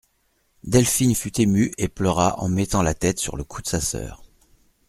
Delphine fut émue et pleura en mettant la tête sur le cou de sa sœur.